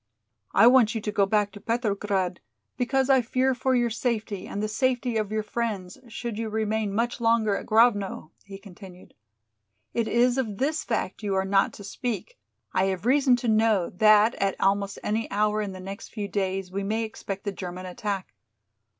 "I want you to go back to Petrograd because I fear for your safety and the safety of your friends should you remain much longer at Grovno," he continued. "It is of this fact you are not to speak. I have reason to know that at almost any hour in the next few days we may expect the German attack.